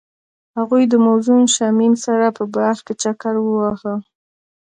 هغوی د موزون شمیم سره په باغ کې چکر وواهه.